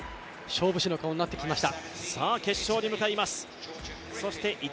勝負師の顔になってきました。